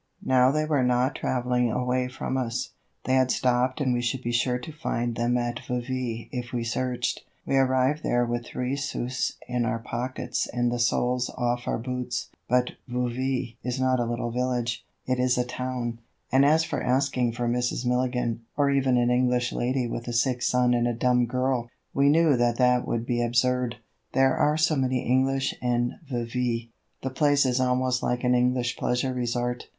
Now they were not traveling away from us. They had stopped and we should be sure to find them at Vevy if we searched. We arrived there with three sous in our pockets and the soles off our boots. But Vevy is not a little village; it is a town, and as for asking for Mrs. Milligan, or even an English lady with a sick son and a dumb girl, we knew that that would be absurd. There are so many English in Vevy; the place is almost like an English pleasure resort.